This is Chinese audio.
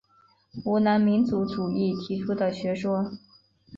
湖南民族主义提出的学说。